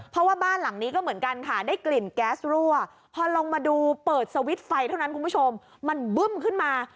เพราะว่าบ้านหลังนี้ก็เหมือนกันค่ะได้กลิ่นแก๊สรั่วพอลงมาดูเปิดสวิตช์ไฟเท่านั้นคุณผู้ชมมันบึ้มขึ้นมา